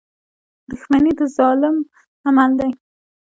• دښمني د ظالم عمل دی.